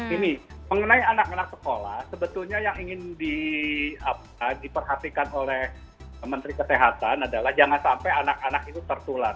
ini mengenai anak anak sekolah sebetulnya yang ingin diperhatikan oleh menteri kesehatan adalah jangan sampai anak anak itu tertular